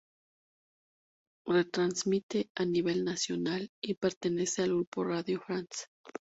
Retransmite a nivel nacional y pertenece al grupo Radio France.